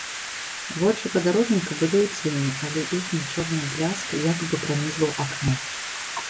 Вочы падарожніка былі ў цені, але іхні чорны бляск як бы пранізваў акно.